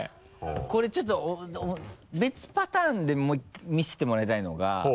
これちょっと別パターンで見せてもらいたいのが。